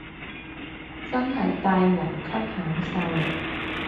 真係帝王級享受嚟